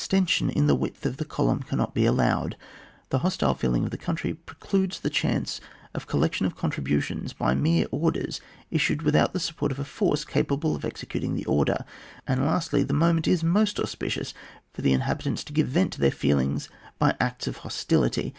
51 tension in the width of the column cannot be allowed; the hostile feeling of the country precludes the chance of any col lection of contributions by mere orders issued without the support of a force ca pable of executing the order ; and, lastly, the moment is most auspicious for the inhabitants to g^ve vent to their feelings by acts of hostiliiy.